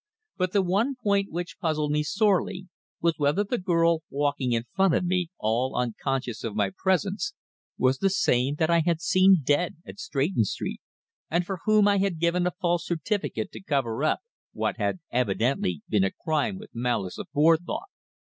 But the one point which puzzled me sorely was whether the girl walking in front of me all unconscious of my presence was the same that I had seen dead at Stretton Street, and for whom I had given a false certificate to cover up what had evidently been a crime with malice aforethought.